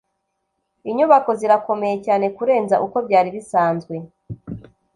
inyubako zirakomeye cyane kurenza uko byari bisanzwe